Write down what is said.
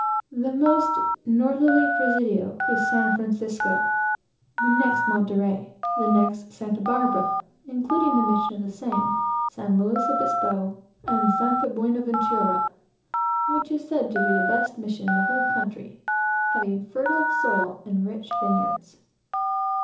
The most northerly presidio is San Francisco; the next Monterey; the next Santa Barbara; including the mission of the same, St. Louis Obispo, and St. Buenaventura, which is the finest mission in the whole country, having very fertile soil and rich vineyards.